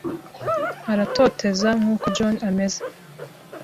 aratoteza, nkuko John ameze.